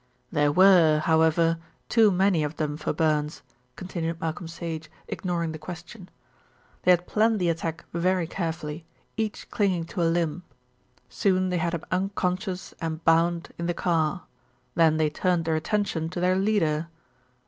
"There were, however, too many of them for Burns," continued Malcolm Sage, ignoring the question. "They had planned the attack very carefully, each clinging to a limb. Soon they had him unconscious and bound in the car. Then they turned their attention to their leader."